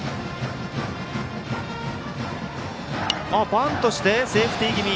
バントして、セーフティー気味。